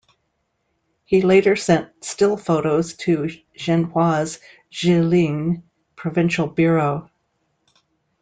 He later sent still photos to Xinhua's Jilin provincial bureau.